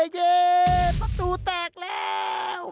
ประตูแตกแล้ว